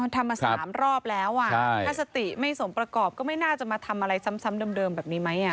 ทำมา๓รอบแล้วถ้าสติไม่สมประกอบก็ไม่น่าจะมาทำอะไรซ้ำเดิมแบบนี้ไหม